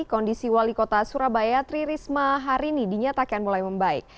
kondisi wali kota surabaya tri risma hari ini dinyatakan mulai membaik